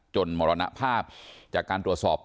มรณภาพจากการตรวจสอบ